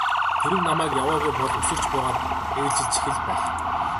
Хэрэв намайг яваагүй бол үсэрч буугаад ээлжилчих л байх.